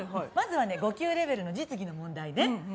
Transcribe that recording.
まずはね５級レベルの実技の問題ね。